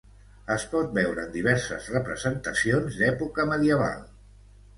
Es pot veure en diverses representacions d'època medieval.